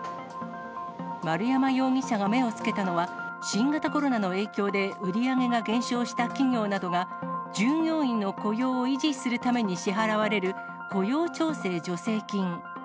丸山容疑者が目をつけたのは、新型コロナの影響で売り上げが減少した企業などが、従業員の雇用を維持するために支払われる雇用調整助成金。